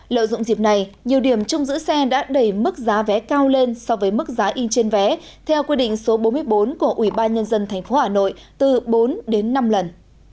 lợi dụng dịp này nhiều điểm trong giữ xe đã đẩy mức giá vé cao lên so với mức giá in trên vé theo quy định số bốn mươi bốn của ủy ban nhân dân tp hà nội từ bốn đến năm lần